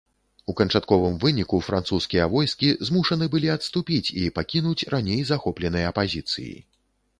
У канчатковым выніку французскія войскі змушаны былі адступіць і пакінуць раней захопленыя пазіцыі.